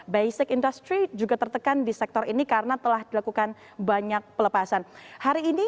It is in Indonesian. basic industry juga tertekan di sektor ini karena telah dilakukan banyak pelepasan